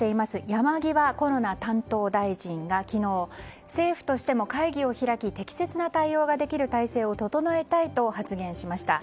山際コロナ担当大臣が昨日政府としても会議を開き適切な対応ができる体制を整えたいと発言しました。